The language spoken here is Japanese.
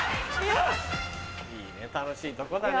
いいね楽しいとこだね。